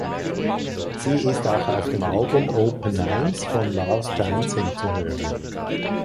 Sie ist auch auf dem Album "Open Minds" von Lars Jansson zu hören.